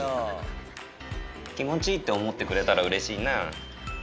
気持ちいいって思ってくれたらうれしいな。